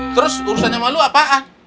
terus urusan sama lu apa